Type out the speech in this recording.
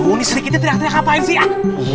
aduh ini sedikitnya tidak ternyata apaan sih